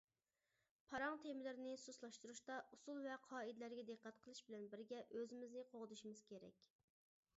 پاراڭ تېمىلىرىنى سۇسلاشتۇرۇشتا ئۇسۇل ۋە قائىدىلەرگە دىققەت قىلىش بىلەن بىرگە ئۆزىمىزنى قوغدىشىمىز كېرەك.